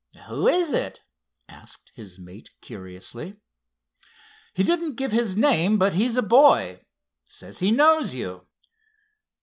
"Who is it?" asked his mate curiously. "He didn't give his name, but he's a boy. Says he knows you."